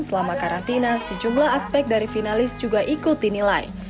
selama karantina sejumlah aspek dari finalis juga ikut dinilai